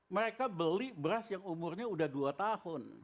mereka beli beras yang umurnya udah dua tahun